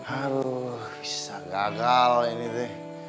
aduh bisa gagal ini te